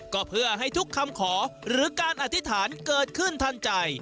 ก็เพื่อให้ทุกคำขอหรือการอธิษฐานเกิดขึ้นทันใจ